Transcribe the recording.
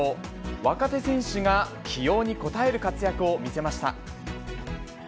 若手選手が起用に応える活躍を見せました。